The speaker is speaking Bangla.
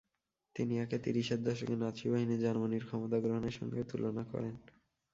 তিনি একে তিরিশের দশকে নাৎসি বাহিনীর জার্মানির ক্ষমতা গ্রহণের সঙ্গেও তুলনা করেন।